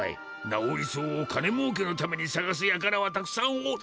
なおり草を金もうけのためにさがすやからはたくさんおる。